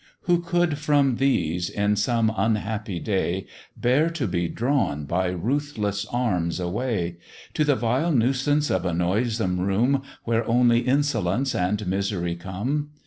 Who could from these, in some unhappy day, Bear to be drawn by ruthless arms away, To the vile nuisance of a noisome room, Where only insolence and misery come?